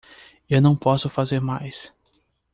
Eu não posso fazer mais.